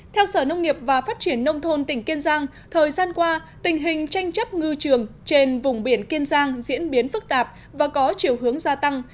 theo sở nông nghiệp và phát triển nông thôn tỉnh kiên giang thời gian qua tình hình tranh chấp ngư trường trên vùng biển kiên giang diễn biến phức tạp và có chiều hướng gia tăng